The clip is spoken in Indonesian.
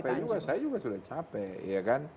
saya juga sudah capek